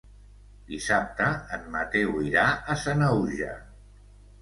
Dissabte en Mateu irà a Sanaüja.